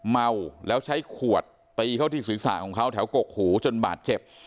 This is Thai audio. เมาแล้วใช้ขวดตีเข้าที่ศีรษะของเขาแถวกกหูจนบาดเจ็บ